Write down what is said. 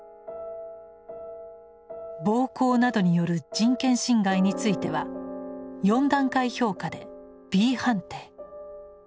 暴行等による人権侵害については４段階評価でｂ判定。